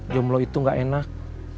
jomblo itu gak enak